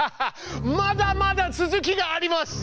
まだまだ続きがあります。